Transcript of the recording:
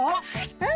うん。